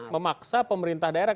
memaksa pemerintah daerah